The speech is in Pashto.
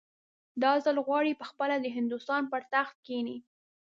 دا ځل غواړي پخپله د هندوستان پر تخت کښېني.